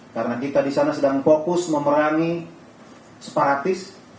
karena kita di sana sedang fokus memerangi separatis